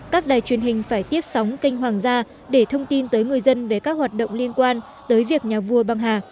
các đài truyền hình phải tiếp sóng kênh hoàng gia để thông tin tới người dân về các hoạt động liên quan tới việc nhà vua băng hà